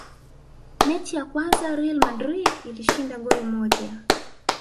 mechi ya kwanza real madrid ilishinda goli moja